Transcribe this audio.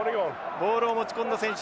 ボールを持ち込んだ選手